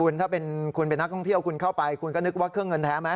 คุณถ้าคุณเป็นนักท่องเที่ยวคุณเข้าไปคุณก็นึกว่าเครื่องเงินแท้ไหม